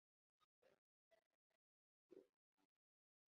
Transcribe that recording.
El seu títol original era "Who Killed Humpty Dumpty?".